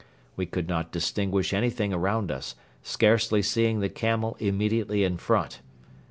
We could not distinguish anything around us, scarcely seeing the camel immediately in front.